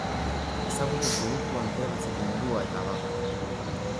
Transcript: Ezagutu produktua entregatzeko modua eta data.